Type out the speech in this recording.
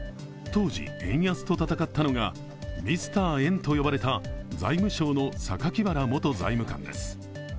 当時円安と戦ったのがミスター円と呼ばれた財務省の榊原元財務官です。